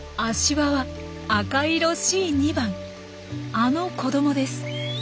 あの子どもです。